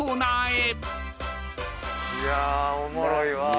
いやおもろいわ。